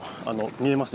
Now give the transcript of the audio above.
見えます